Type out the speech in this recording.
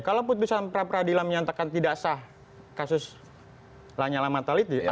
kalau keputusan prapradino menyatakan tidak sah kasus lanyala matalit